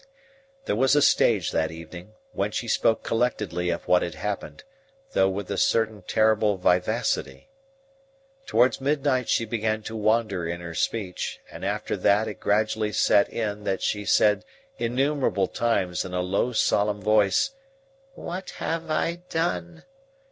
There was a stage, that evening, when she spoke collectedly of what had happened, though with a certain terrible vivacity. Towards midnight she began to wander in her speech; and after that it gradually set in that she said innumerable times in a low solemn voice, "What have I done!"